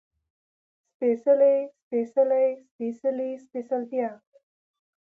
سپېڅلی، سپېڅلې، سپېڅلي، سپېڅلتيا